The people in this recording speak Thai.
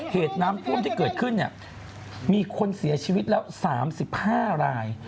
เหตุน้ำท่วมที่เกิดขึ้นเนี่ยมีคนเสียชีวิตแล้ว๓๕ราย